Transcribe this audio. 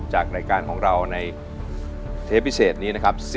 จากรายการของเราในเทปพิเศษนี้นะครับ